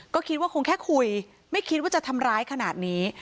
ก็คิดว่าคงแค่คุยไม่คิดว่าจะทำร้ายขนาดนี้